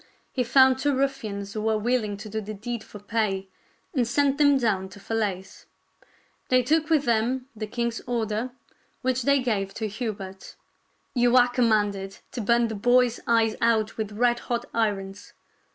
He found two ruffians who were willing to do the deed for pay, and sent them down to Falaise. They took with them the king's order, which they gave to Hubert: —" You are commanded to burn the boys eyes out with red hot irons.